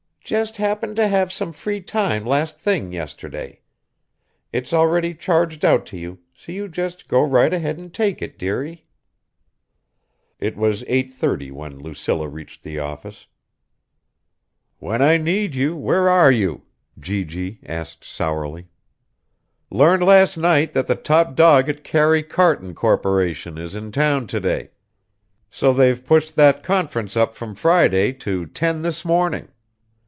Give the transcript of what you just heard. "Just happened to have some free time last thing yesterday. It's already charged out to you, so you just go right ahead and take it, dearie." It was 8:30 when Lucilla reached the office. "When I need you, where are you?" G.G. asked sourly. "Learned last night that the top dog at Karry Karton Korporation is in town today, so they've pushed that conference up from Friday to ten this morning.